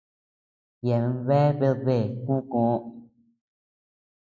Yeabean bea bedbêe Kukoo.